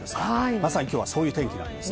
まさにきょうはそういう天気です。